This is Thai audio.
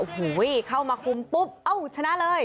โอ้โหเข้ามาคุมปุ๊บเอ้าชนะเลย